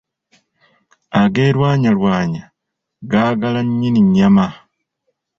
Ageerwanyalwanya gaagala nnyini nnyama.